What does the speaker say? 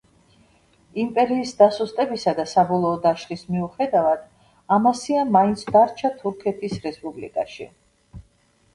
იმპერიის დასუსტებისა და საბოლოო დაშლის მიუხედავად, ამასია მაინც დარჩა თურქეთის რესპუბლიკაში.